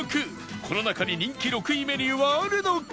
この中に人気６位メニューはあるのか？